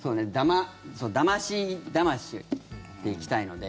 だましだましで行きたいので。